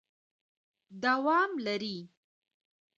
دوام لري ...